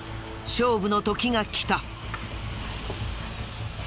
勝負の時が来た。